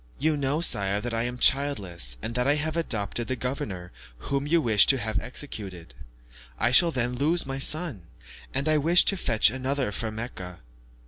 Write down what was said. "You know, sire, that I am childless, and that I have adopted the governor whom you wish to have executed; I shall then lose my son, and I wish to fetch another from Mecca."